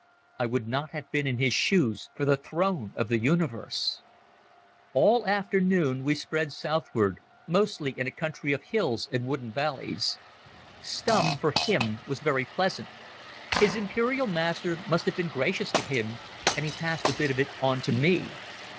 I would not have been in his shoes for the throne of the Universe ... All afternoon we sped southward, mostly in a country of hills and wooded valleys. Stumm, for him, was very pleasant. His imperial master must have been gracious to him, and he passed a bit of it on to me.